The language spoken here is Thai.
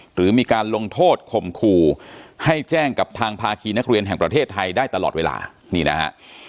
หรือมีการลงโทษข่มขู่ให้แจ้งกับทางภาคีนักเรียนแห่งประเทศไทยได้ตลอดเวลานี่นะฮะ